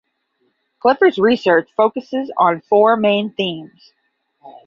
Clifford’s research focuses on four main themes.